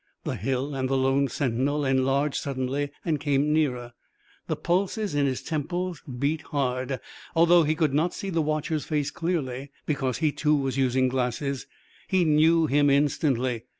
The hill and the lone sentinel enlarged suddenly and came nearer. The pulses in his temples beat hard. Although he could not see the watcher's face clearly, because he too was using glasses, he knew him instantly.